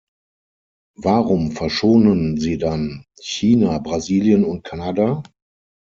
Warum verschonen sie dann China, Brasilien und Kanada?